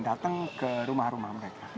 datang ke rumah rumah mereka